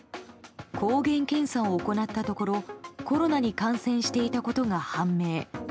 抗原検査を行ったところコロナに感染していたことが判明。